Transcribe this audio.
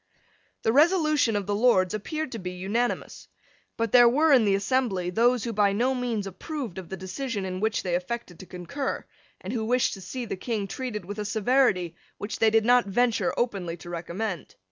The resolution of the Lords appeared to be unanimous. But there were in the assembly those who by no means approved of the decision in which they affected to concur, and who wished to see the King treated with a severity which they did not venture openly to recommend.